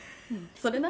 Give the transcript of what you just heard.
それな！